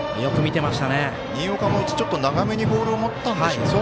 新岡もちょっと長めにボールを持ったんでしょうかね。